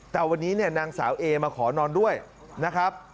แต่วันนี้เนี่ยนางสาวเอมาขอนอนด้วยนะครับ